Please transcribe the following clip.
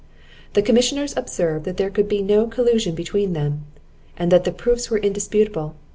The commissioners observed, that there could be no collusion between them, and that the proofs were indisputable.